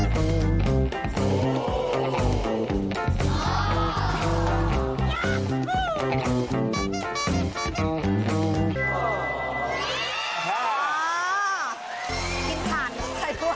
กินทานใครวะ